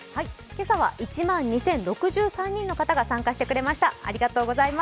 今朝は１万２０６３人の方が参加してくれました。